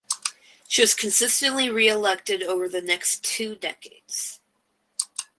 She was consistently reelected over the next two decades.